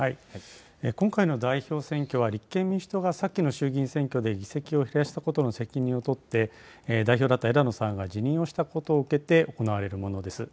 今回の代表選挙は、立憲民主党が先の衆議院選挙で議席を減らしたことの責任を取って、代表だった枝野さんが辞任をしたことを受けて、行われるものです。